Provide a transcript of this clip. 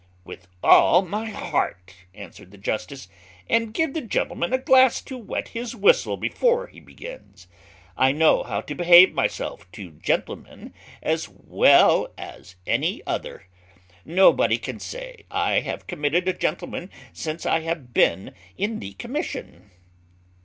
"With all my heart," answered the justice; "and give the gentleman a glass to wet his whistle before he begins. I know how to behave myself to gentlemen as well as another. Nobody can say I have committed a gentleman since I have been in the commission."